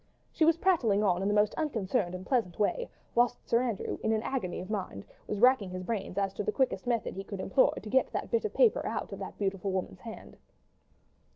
She was prattling on in the most unconcerned and pleasant way, whilst Sir Andrew, in an agony of mind, was racking his brains as to the quickest method he could employ to get that bit of paper out of that beautiful woman's hand.